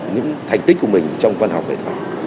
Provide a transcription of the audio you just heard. những thành tích của mình trong văn hóa vệ thoại